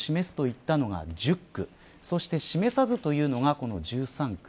弔意を示すと言ったのが１０区示さずというのが１３区。